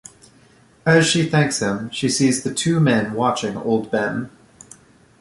As she thanks him, she sees the two men watching Old Ben.